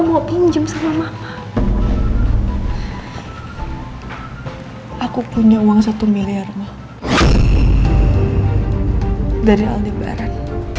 kamu mau pinjem sama mama aku punya uang satu miliar mau dari aldebaran